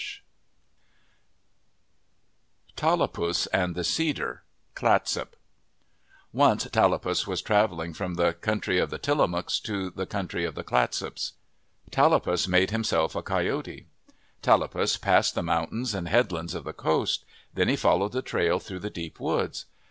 O X h < s OF THE PACIFIC NORTHWEST TALLAPUS AND THE CEDAR Clatsop ONCE Tallapus was travelling from the country of the Tillimooks to the coun try of the Clatsops. Tallapus made him self a coyote. Tallapus passed the mountains and headlands of the coast. Then he followed the trail through the deep woods.